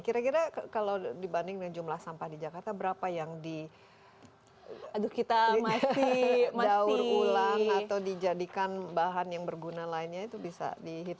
kira kira kalau dibanding dengan jumlah sampah di jakarta berapa yang didaur ulang atau dijadikan bahan yang berguna lainnya itu bisa dihitung